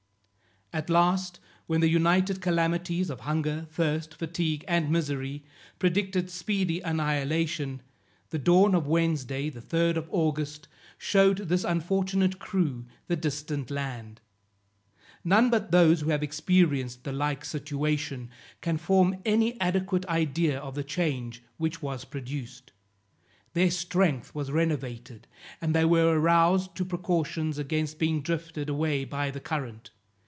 At last when the united calamities of hunger, thirst, fatigue and misery, predicted speedy annihilation, the dawn of Wednesday, the 3d of August, shewed this unfortunate crew the distant land. None but those who have experienced the like situation, can form any adequate idea of the change which was produced. Their strength was renovated, and they were aroused to precautions against being drifted away by the current.